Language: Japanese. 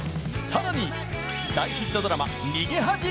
さらに大ヒットドラマ「逃げ恥」